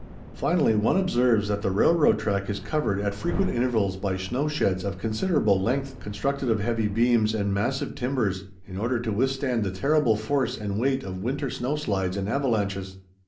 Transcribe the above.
Finally, one observes that the railroad track is covered at frequent intervals by snow sheds of considerable length, constructed of heavy beams and massive timbers, in order to withstand the terrible force and weight of winter snow slides and avalanches.